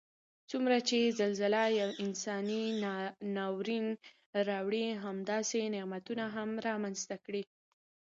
څومره چې زلزله یو انساني ناورین راوړي همداسې نعمتونه هم رامنځته کړي